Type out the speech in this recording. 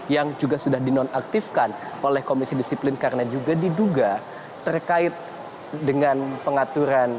yang juga sudah dinonaktifkan oleh komisi disiplin karena juga diduga terkait dengan pengaturan